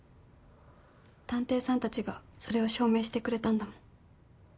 探偵さんたちがそれを証明してくれたんだもん。